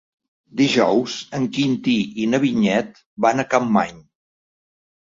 Dijous en Quintí i na Vinyet van a Capmany.